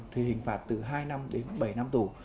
thì hình phạt từ hai năm đến bảy năm tù